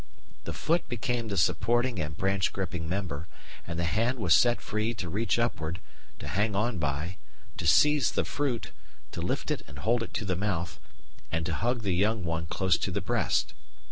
The foot became the supporting and branch gripping member, and the hand was set free to reach upward, to hang on by, to seize the fruit, to lift it and hold it to the mouth, and to hug the young one close to the breast.